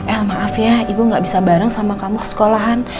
eh maaf ya ibu gak bisa bareng sama kamu ke sekolahan